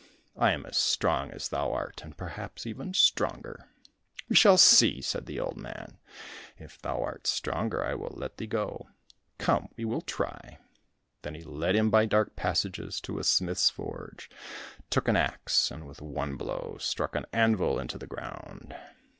I am as strong as thou art, and perhaps even stronger." "We shall see," said the old man. "If thou art stronger, I will let thee go—come, we will try." Then he led him by dark passages to a smith's forge, took an axe, and with one blow struck an anvil into the ground.